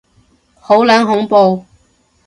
好撚恐怖